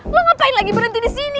lo ngapain lagi berhenti disini